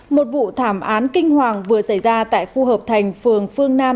một vụ thảm án kinh hoàng vừa xảy ra tại khu hợp thành phường phương nam